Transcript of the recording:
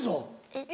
えっ？